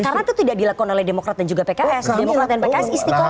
menolai demokrat dan juga pks